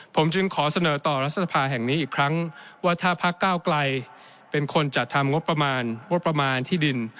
ผมจึงขอเสนอต่อรัฐภาษณ์แห่งนี้อีกครั้งว่าถ้าภักดิ์ก้าวกลายเป็นคนจัดทำงบประมาณที่ดิน